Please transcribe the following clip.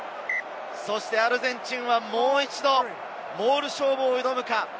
アルゼンチンはもう一度、モール勝負を挑むか？